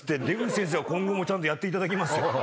出口先生は今後もちゃんとやっていただきますよ。